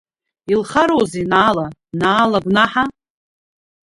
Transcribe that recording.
Илхароузеи Наала, Наала гәнаҳа?!